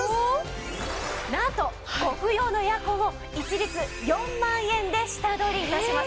なんとご不要のエアコンを一律４万円で下取り致します。